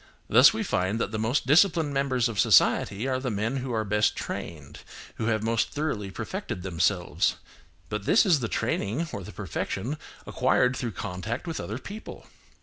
Thus we find that the most disciplined members of society are the men who are best trained, who have most thoroughly perfected themselves, but this is the training or the perfection acquired through contact with other people.